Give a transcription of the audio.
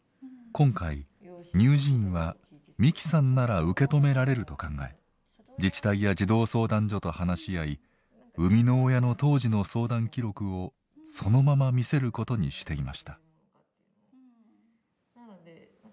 今回乳児院は美希さんなら受け止められると考え自治体や児童相談所と話し合い生みの親の当時の相談記録をそのまま見せることにしていました。